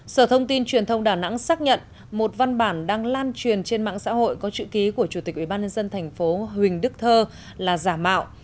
sở thông tin truyền thông đà nẵng xác nhận một văn bản đang lan truyền trên mạng xã hội có chữ ký của chủ tịch ubnd tp huỳnh đức thơ là giả mạo